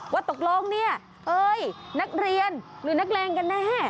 ว่าตกลงเนี่ยเอ้ยนักเรียนหรือนักเลงกันแน่